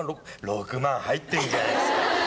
６万入ってんじゃないっすか！